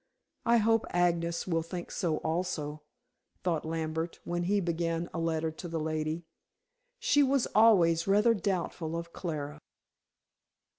"I hope Agnes will think so also," thought Lambert, when he began a letter to the lady. "She was always rather doubtful of Clara."